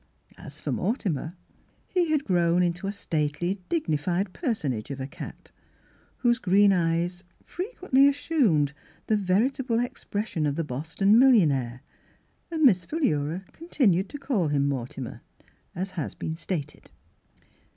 As for Mortimer, he had grown into a stately, dignified personage of a cat, whose green eyes frequently assumed the veritable ex pression of the Boston millionaire, and Miss Philura continued to call him Morti mer, as has been stated.